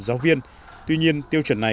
giáo viên tuy nhiên tiêu chuẩn này